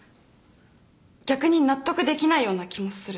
逆に納得できないような気もする。